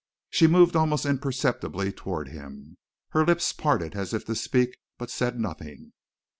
She moved almost imperceptibly toward him, her lips parted as if to speak, but said nothing.